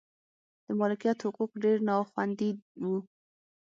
د مالکیت حقوق ډېر نا خوندي و.